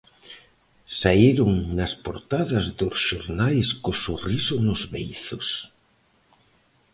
Saíron nas portadas dos xornais co sorriso nos beizos.